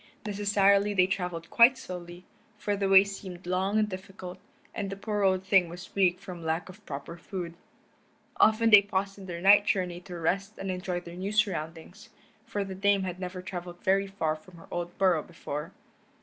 Necessarily they traveled quite slowly, for the way seemed long and difficult, and the poor old thing was weak from lack of proper food. Often they paused in their night journey to rest and enjoy their new surroundings, for the Dame had never traveled very far from her old burrow before.